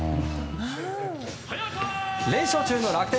連勝中の楽天。